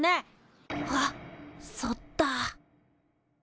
あっそっだ。